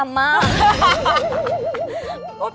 โอ้โหโอ้โห